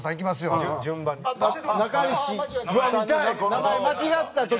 名前間違った時の。